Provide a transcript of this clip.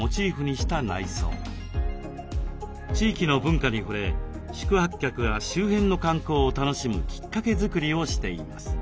地域の文化に触れ宿泊客が周辺の観光を楽しむきっかけ作りをしています。